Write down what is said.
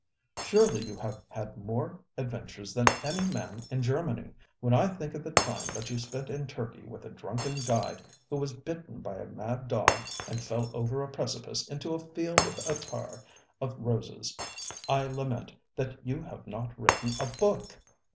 ŌĆØ ŌĆ£Surely you have had more adventures than any man in Germany. When I think of the time that you spent in Turkey with a drunken guide who was bitten by a mad dog and fell over a precipice into a field of attar of roses, I lament that you have not written a book.